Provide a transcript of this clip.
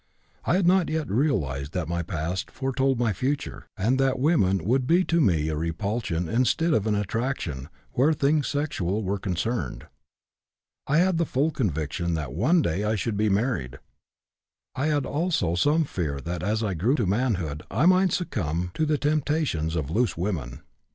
I had not yet realized that my past foretold my future, and that women would be to me a repulsion instead of an attraction where things sexual were concerned. I had the full conviction that one day I should be married; I had also some fear that as I grew to manhood I might succumb to the temptations of loose women.